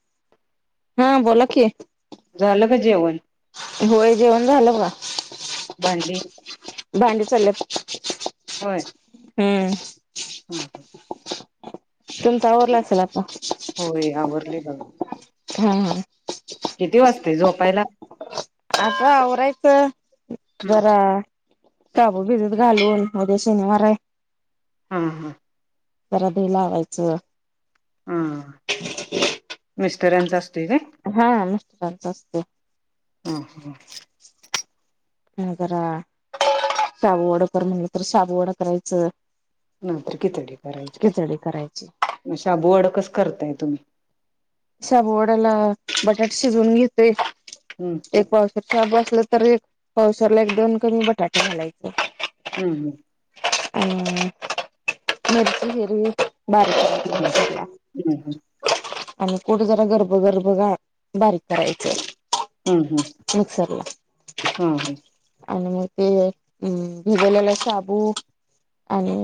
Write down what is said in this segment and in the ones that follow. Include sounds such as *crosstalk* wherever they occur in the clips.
*inaudible* हा बोला की झालं का जेवण होय जेवण झालं बघा भांडी भांडी चाललेत हम्म हम हम तुमचा आवरला असेल आपण होय आवरले बघा हा हा किती वाजते झोपायला आता आवरायचं हं. जरा साबूदाणा भिजत घालून उद्या शनिवार आहे हम हा जरा दही लावायचं हां मिस्टरांचा असतोय ते हा मिस्टरांचा असतोय ह ह जरा शाबुवडा वडा कर म्हणलं तर शाबू वडा करायचं नाही तर किचडी करायचे खिचडी करायची मग शाबूवाड कच करताय तुम्ही साबू वड्याला बटाटा शिजवून घेतेय हम्म एक पावशेर शाबूत असल तरी तर एक पावशेरला एक दोन कमी बटाटे घालायचे. हम्म हम्म. हम. *unintelligible* बाय. हम्म *unintelligible* आणि कुठं जरा गर्भगर्भगा बारीक करायचं. हम्म हम्म मिक्सरला हम्म हम्म. आणि मग ते अ भिजलेला साबू आणि..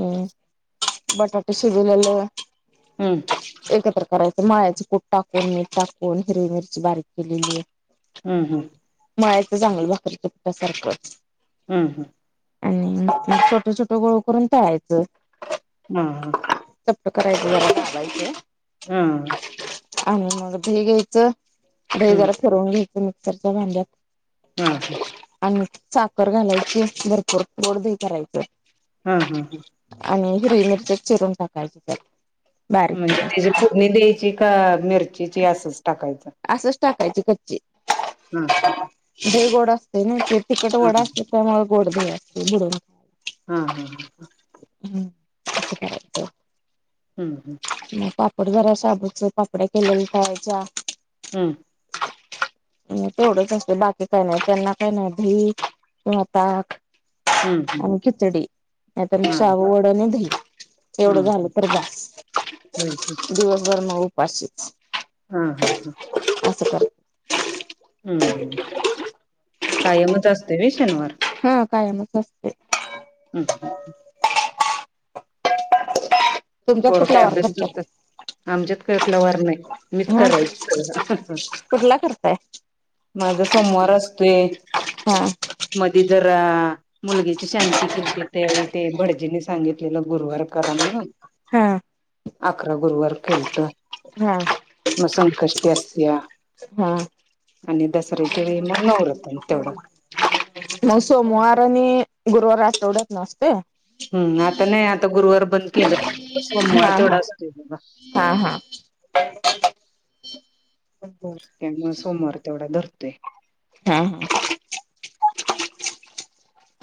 बटाटे शिजवलेलं हम्म एकत्र करायचं मलायचे. कुठ टाकून मीठ टाकून हिरवी मिरची बारीक केलेली. हम्म हम्म. माळ्याचं चांगलं भाकरीच सारखंच. हम्म हम्म आणि छोटं छोटं गोळ करून टळायचं. हा ह. चपटे करायचे जरा. *unintelligible* हम्म आणि मग दही घ्यायचं दही हा हं. जरा फी रवून घ्यायचं मिक्सरच्या भांड्यात. हा हा. आणि साखर घालायची भरपूर गोड दही करायच. हम्म हम्म. आणि हिररी मिरच चिरून टाकायची त्यात. बारीक म्हणजे त्याची फोरणी दयची का मिरचीची असंच टाकायचं. ची कच्ची हा दही गोड असतंय ना, तिखट हा वडा असतंय त मग.. गोडदही असतंय बरोबर. हा हा हा ह. हम् हम्म. मग जरा शाबूच्या पापडया केल्या खायच्या. हम्म. अ तेवढंच असत बाकी काही नाही त्यांना काही नाही धई किंवा ताक. हम्म हम्म आणि खिचडी, नाय तर हा शाबू वड नी धई. तेवढं झालं तर जा. व्हय कीं. वरन उपाशीच. हा हा हा. *unintelligible* हम्म कायमच असते व्हय शनवार. हा. कायमच असते. हम्म. तुमच्यात पोर काय कुठला वार अभ्यास करतात. आमच्यात कठला वार नाही मीच हा करायच सगळं. कुठला करताय माझा सोमवार असतोय हा मध्ये जरा.. मुलगीची शांती केते त्यावेळी ते भटजीने सांगितलेलं गुरुवार करा म्हनून... हा. अकरा गुरुवार केलंत. हा मग संकष्टी असतया, आनी.. म सोमवार आनी गुरुवार आठवड्यातना असतंय. हम्म आताने आता गुरवार बंद केलं. सोमवार हा हा तेवढाच रिकामा ऑडिओ त्यामुळे सोमवार तेवढा धरतेय. हा हा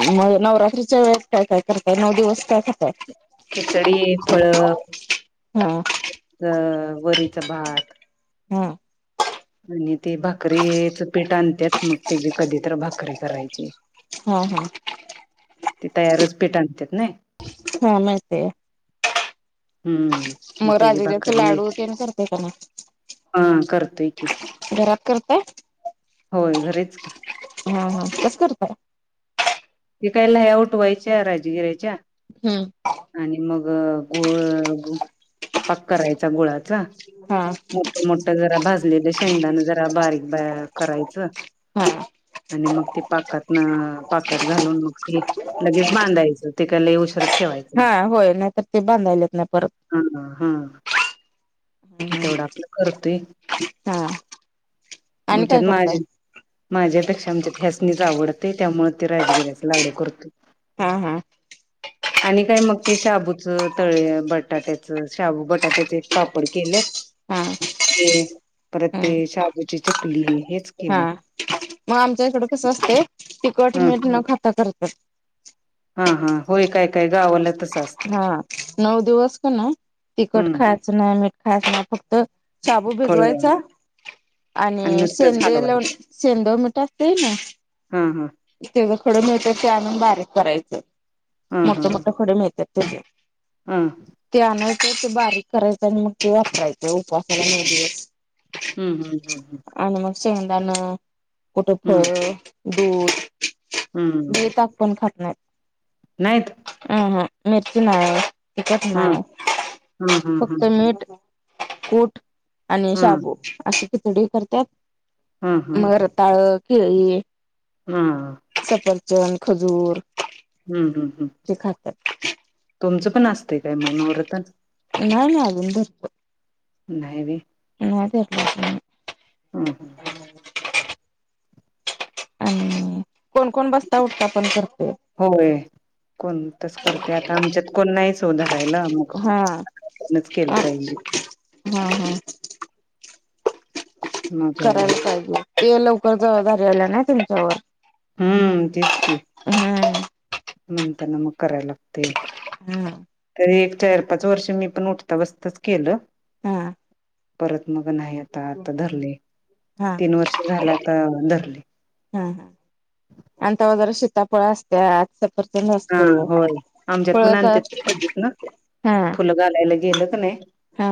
मग नवरात्रीच्या वेळ काय काय करताय नऊ दिवस काय कर खिचडी फळ हा अ वर भात हम्म आणि ते भाकरीचं पीठ आणते मग त्याची कधीत भाकरी करायची हम् हम् ती तयारच पेठ आणत ना हा म ते हम्म म तेजी बाकरी लाडू तेन करताय का हा करत राकरत हो घरेच की हा हा कस करत तेिकायला हे आऊट व्हायच्या राजगिरायच्या हम्म आणि मग गुळ पाक करायचा गुळाचा हा मोठ मोठ जरा भाजलेलं शेंगदाण जरा बारीक ब करायचं हा आणि मग ती पाकात पाकात घालून मग त लगेच बांधायचं ते ला उ शर ठेवायचं हा होय नाहीतर ते बांधायला येत नाही परत हम हम् तेवढं आपलं करतोय हा आणि काय च्यात माझ करताय माझ्यापेक्षा आमच्यात ह्यासणीच आवडते त्यामुळे ते राजगिऱ्याचा लाडू करतो ह हां आणि काय मग ते शाबूच तळे बटाट्याच शाबू बटाट्याचे एक पापड केले हा ते परत ते शहाबोची चकली आहे हा मग आमच्या इकडं कस असते तिकट ह मीठ न खात करते ह ह हा होय काय काय गावाला त हा नऊ दिवस का ना तिखट हम्म खायचं ना मीठ खायचं ना फक्त शबू फळ भिजवायचा आणि नुसतंच सेंद लाव हलवायचं सेंद मिट असते ना हा हा ते खडं मिळतात ते आणून बारीक करायचं हा हा मोठ मोठं खडं मिळतात ते हा आणायचं ते बारीक करायचं आणि मग ते वापरायचं उपासनेमध्ये हम्म हम्म हम् हम् शेदाण कुठं फळ दूध हम्म ब ताक पण खात नाहीत हम् हम् मेच ना टिकत ह नाही ह ह ह फक्त मीठ कोट आणि ह शबू ह असे किथडे करतात ह ह मगरताळ कि हा जन खजूर हम्म हम्म ते खात तुमचं पण असते काय मग नवर्रतन ए ना अजंद इत नाही ब ह तेला हम् हम् ह आणि कोण कोण बस्ता उत्थापन करते होय कोणतच करते आता आमच्यात कोण नाहीच ओ धरायला मग हा आपणच केलं हा पाहिजे हा मग करायला पाहिजे ते लवकर जबाबदारी आल्या ना तुमच्यावर हम्म तेच की हम्म मंत नमु करायलागते हम्म एक चार पाच वर्ष मी पण उठता बसतच केलं हा परत मग नाही आता आता धरले हा तीन वर्ष झाला तर धरले हा हा आणि त्या जर शीतापळ असत्या आ हा होय आमच्यात पण तर आणतात क सत ना हा फुलं घालायला गेलं क नाही हा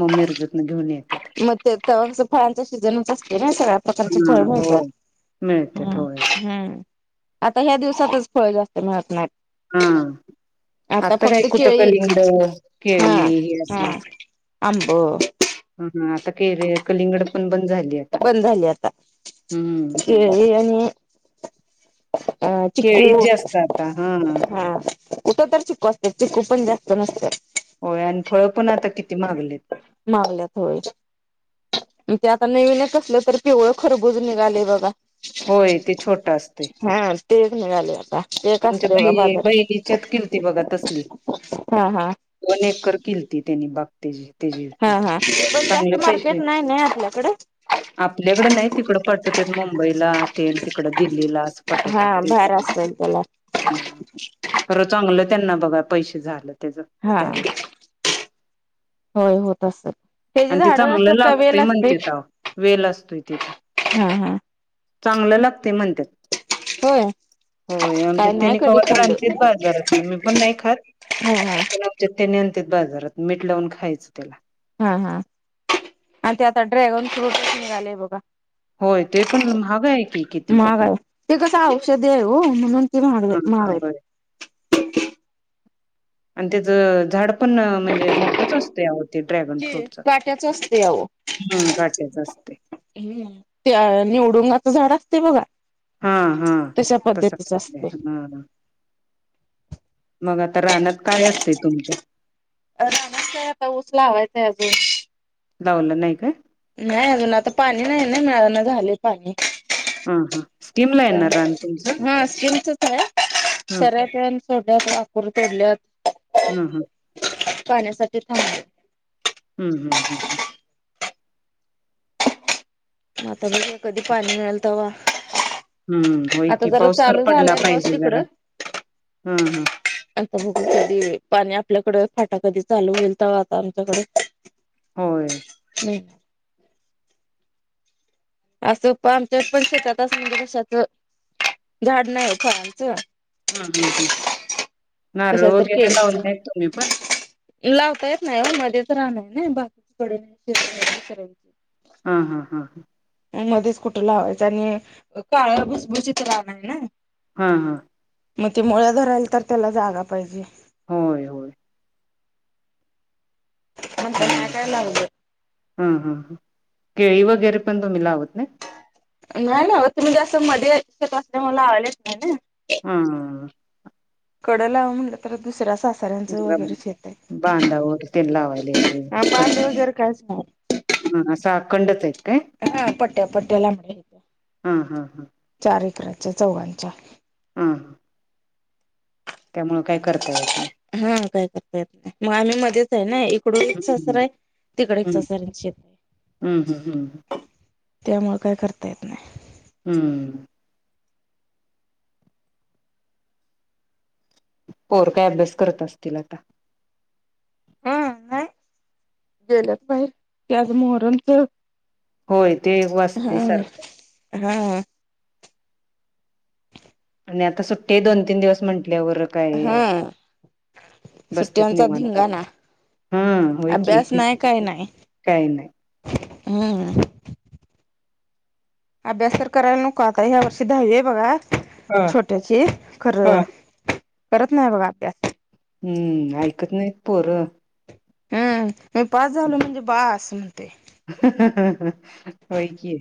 मगमी रर्जतन घेऊन येत मग ते फळांचा सीजनच असते ना सगळ्या प्रकारचे फळ मिळतात मिळते हम्म थोडे हम्म आता ह्या दिवसातच फळ जास्त मिळत नाही हा आता काय फक्त कुट क केळी लिंगड केळी हे असलच की आंबो हम हम आता क *unintelligible* र बंद झाली आता हम्म आणि *unintelligible* अह चिखू केळीच जास्त आता हा कुठं तर चीकू असत चिकू पण जास्त नसतंय होय आणि फळ पण आता किती मागलेत मागल्यात होय ते आता नवीनच असलं तर पिवळं खरबुजून निघाले बघा होय ते छोट असते हा ते निघाले आता एक आमच्या असते ग बहि बाजार बहिणीच्यात किलती बघा तसली हा हा दोन एकर किलती त्यांनी बाग तेजे तेजे हा होते हा पण जास्त चांगलं मार्केट पैशे नाही नाही आपल्याकडे आपल्याकड नाही तिकड पटवत *unintelligible* मुंबईला तेन तिकड दिल्लीला अस हा पाठवतात बाहेर असेल त्याला खरं चांगलं त्यांना बघा पैसे झाले हा होय होत असल आणि ते चांगलं लागतंय म्हणते त वेल असतोय तेे पण हा हा चांगलं लागते म्हण हो होय आमच्या काय नाही त्यांनी कधी कवा तर र खाल्लं. आणतेच बाजारात ना मी पण नाही खात हो पण आमच्या त्यांनी आणत्यात बाजारात मीठ लावून खायचं त्याला हा हा आणि ते आता ड्रॅगन फ्रूटच निघालेय बघा होय ते पण महाग आहे की किती. मग आहे ते कस औषधी आहे हो म्हणून ती मागलय माग *unintelligible* ह *inaudible* *inaudible* आणि त्याच झाड पण म्हणजे मोठच असतो यावरती ड्रॅगन फ्रूटच काट्याच असते हम्म काट्याचअसतय हम्म ते निवडुंगाचं झाड असते बघा हा हा तशा तस पद्धतीच असतय असते. मग आता राहण्यात काय असतय तुमच्या रामचय आता ऊसला हवायचांय अजून लाऊलं नाही काय नाही अजून आता पाणी नाही ना मिळाना झालय पाणी *inaudible* स्कीमला येणार रान तुमचं हा स्किम सुया *unintelligible* हा शरय प सोडल्यात नाकूर तोडल्यात हम् हम पाण्यासाठी थांब हम्म हम्म हम्म हम्म मता ब कधी पाणी एल त वा हम्म होय आता की जरा पाऊस तर चालू पडला झालंय बस पाहिजे तिकड जरा हा हा आता की *unintelligible* पाण्यात आपल्याकडे फाटा कधी चालू होईल तर आता आमच्याकडे होय ते *unintelligible* असं प आमच्या पण शेतात असं म्हणजे कशाच झाड नाही ख आमचं हम्म हम्म हम् नारळ कशाच तर वगैरे लावून केळीचं नाहीेत तुम्ही पण लावता येत नाही हो मध्येच राहणार ना बाकी कडे नाही श सची *unintelligible* हा हा हा हा मध्येच कुठे लावायचं आणि काळ भुसभुशीत त्याला नाय ना हा हा मग ते मुळ ध राहिल तर त्याला जागा पाहिजे. होय होय आणि म्हणताना काय लावलं. हा हा ह केळी वगैरे पण तुम्ही लावत नाही? नाही लावत तुम्ही जां मध्ये इच्छत असल्या मला आवलेच नाही ना. हा कडला लावावं म्हटलं तर दुसरा्या अस अस सऱ्यांच जरा वगैरे शेत आहे बांधावर ते लावायला येते कडक वगैरे कायच नाही. हा असं अखंडचा आहे काय? ट्या पट्ट्याला मेत हम हम् हम् तकराच्या चौघांच्या हा त्यामुळं काय करता येत नाही. हा काय करता मग आम्ही मध्येच आहे ना. तिकड एक ससार हम्म आहे तिकडे एक हम्म ससऱ्यांचीेत आहे. हम्म हम्म हम्म त्यामुं काय करता येत नाही. हम्म पोर काय अभ्यास करत असतील आता? हा नाही गेलंत बाहिर त्याज मोहरम च, होय ते वाचते सारखं. हा आणि आता सुट्ट्या दोन तीन दिवस म्हंटल्यावररं काही आहे. हा बसतेत सुट्ट्यांचा निवांत धिंगाणा आपलं. हम होय क अभ्यास नाही काही नाही. हं अभ्यास तर करायला नको आता ह्या वर्षी दहावी आहे बघा. हा छोट्याची खर हा. करत नाही बघा अभ्यास. हम्म ऐकत नाहीत पोरं. हम्म म पास झाल म्हणजे बस म्हणते. हो कि